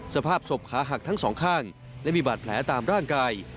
สภาพศพขาหักทั้งสองข้างและมีบาดแผลตามร่างกาย